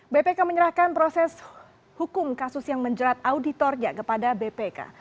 bpk menyerahkan proses hukum kasus yang menjerat auditornya kepada bpk